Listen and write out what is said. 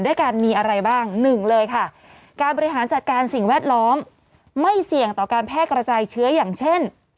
ด้วยการมีอะไรบ้างหนึ่งเลยค่ะการบริหารจัดการสิ่งแวดล้อมไม่เสี่ยงต่อการแพร่กระจายเชื้ออย่างเช่น